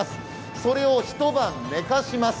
それを一晩寝かします。